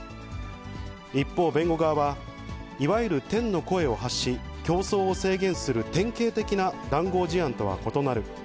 一方、弁護側は、いわゆる天の声を発し、競争を制限する典型的な談合事案とは異なる。